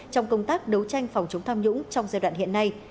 trong công tác đấu tranh phòng chống tham nhũng trong giai đoạn hiện nay